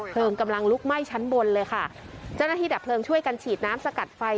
กำลังลุกไหม้ชั้นบนเลยค่ะเจ้าหน้าที่ดับเพลิงช่วยกันฉีดน้ำสกัดไฟ